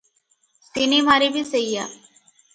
ସିନେମାରେ ବି ସେଇଆ ।